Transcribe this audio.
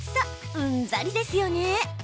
うんざりですね。